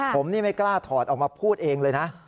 ผมนี่ไม่กล้าถอดออกมาพูดเองเลยนะ